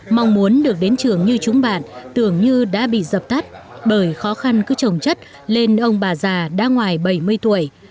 mong muốn được đến trường như chúng bạn tưởng như đã bị dập tắt bởi khó khăn cứ trồng chất lên ông bà già đã ngoài bảy mươi tuổi